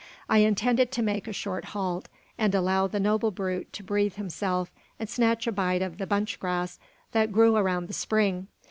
I intended to make a short halt, and allow the noble brute to breathe himself and snatch a bite of the bunch grass that grew around the spring.